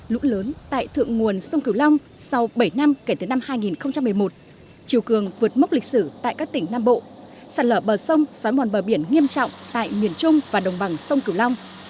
lũ lớn tại thượng nguồn sông cửu long sau bảy năm kể từ năm hai nghìn một mươi một chiều cường vượt mốc lịch sử tại các tỉnh nam bộ sạt lở bờ sông xói mòn bờ biển nghiêm trọng tại miền trung và đồng bằng sông cửu long